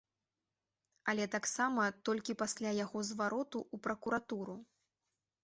Але таксама толькі пасля яго звароту ў пракуратуру.